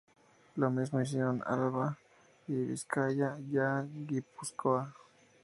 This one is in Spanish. Lo mismo hicieron Álava, Vizcaya y Guipúzcoa.